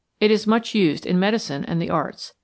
It is much used in medicine and the arts.